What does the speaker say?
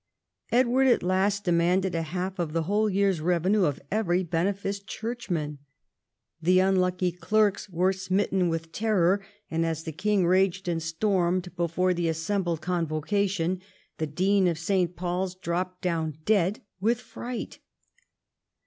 Edward at last demanded a half of a whole year's revenue of every beneficed churchman. The unlucky clerks were smitten with terror, and as the king raged and stormed before the assembled convocation, the dean of St. Paul's dropped down dead with fright.